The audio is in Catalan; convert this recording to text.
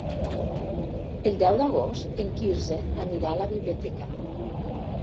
El deu d'agost en Quirze anirà a la biblioteca.